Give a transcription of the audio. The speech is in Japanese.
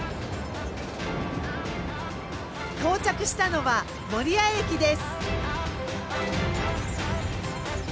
到着したのは守谷駅です。